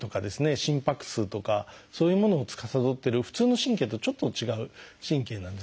心拍数とかそういうものをつかさどってる普通の神経とちょっと違う神経なんですね。